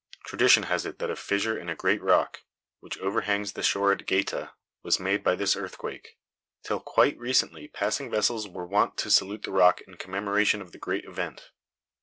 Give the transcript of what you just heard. Tradition has it that a fissure in a great rock, which overhangs the shore at Gaeta, was made by this earthquake. Till quite recently passing vessels were wont to salute the rock in commemoration of the great event.